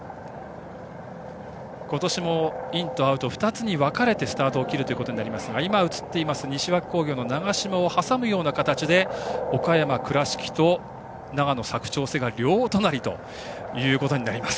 今年もインとアウト２つに分かれてスタートを切ることになりますが西脇工業の長嶋をはさむような形で岡山・倉敷と長野の佐久長聖が両隣ということになります。